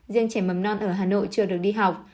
riêng trẻ mầm non ở hà nội chưa được đi học